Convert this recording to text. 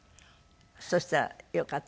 そしたら良かった？